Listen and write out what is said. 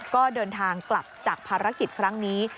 ก็เดินทางกลับจากภารกิจครั้งนี้